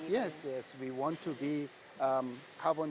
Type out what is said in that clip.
membuat produk tanpa karbon